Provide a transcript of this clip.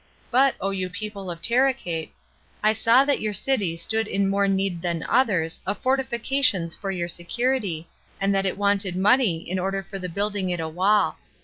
But, O you people of Tarieheae, I saw that your city stood in more need than others of fortifications for your security, and that it wanted money in order for the building it a wall.